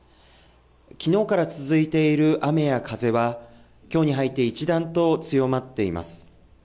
きのうから続いている雨や風はきょうに入って一段と強まっています。